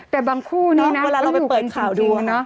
แต่บางคู่นี้นะเวลาเราไปเปิดข่าวดู